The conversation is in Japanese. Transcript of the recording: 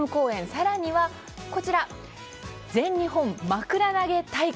更には、全日本まくら投げ大会。